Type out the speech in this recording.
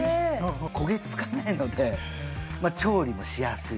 焦げ付かないのでまあ調理もしやすい。